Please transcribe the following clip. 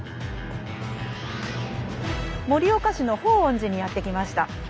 盛岡市の報恩寺にやって来ました。